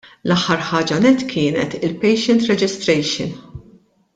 L-aħħar ħaġa nett kienet il-patient registration.